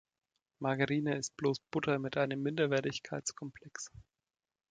Margarine ist bloß Butter mit einem Minderwertigkeitskomplex.